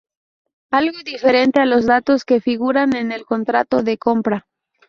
Algo diferente a los datos que figuran en el contrato de compra.